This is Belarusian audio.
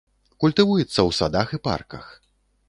Культывуецца ў садах і парках.